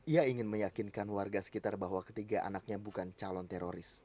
ia ingin meyakinkan warga sekitar bahwa ketiga anaknya bukan calon teroris